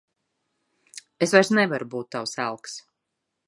Es vairs nevaru būt tavs elks.